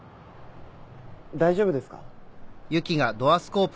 ・大丈夫ですか？